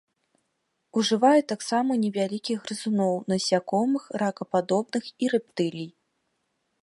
Ужывае таксама невялікіх грызуноў, насякомых, ракападобных і рэптылій.